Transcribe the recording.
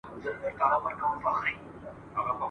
یا دي شل کلونه اچوم زندان ته !.